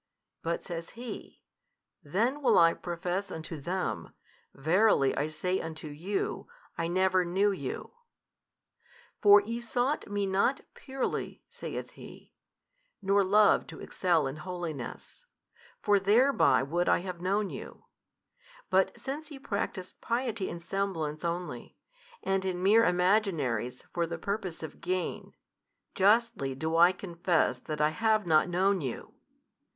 But says He, Then will I profess unto them, Verily I say unto you, I never knew you. For ye sought Me not purely (saith He) nor loved to excel in holiness, for thereby would I have known you, but since ye practised piety in semblance only and in mere imaginaries for the purpose of gain, justly do I confess that I have not known you.